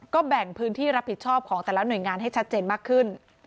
ก็แบ่งพื้นที่รับผิดชอบของแต่ละหน่วยงานให้ชัดเจนมากขึ้น